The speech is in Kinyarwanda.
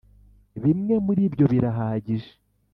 bimwe muri byo birahagije .